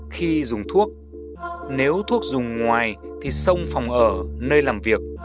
khi dùng thuốc nếu thuốc dùng ngoài thì xông phòng ở nơi làm việc